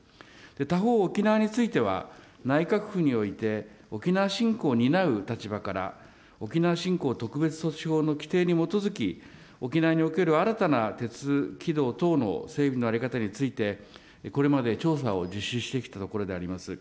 他方、沖縄については、内閣府において、沖縄振興を担う立場から、沖縄振興特別措置法の規定に基づき、沖縄における新たな鉄軌道の整備において、これまで調査を実施してきたところであります。